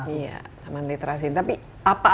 iya taman literasi tapi apa apa saja yang kita bangun